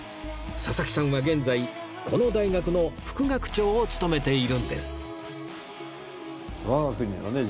佐々木さんは現在この大学の副学長を務めているんです